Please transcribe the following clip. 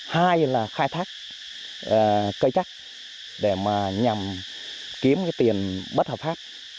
hai là khai thác cây chắc để mà nhằm kiếm cái tiền bất hợp pháp